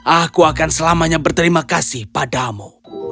aku akan selamanya berterima kasih padamu